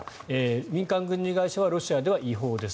民間軍事会社はロシアでは違法です。